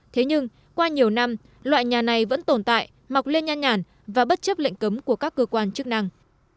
thế nhưng qua nhiều năm loại nhà này vẫn tồn tại mọc lên nhàn nhàn và bất chấp lệnh cấm của các cơ quan chức năng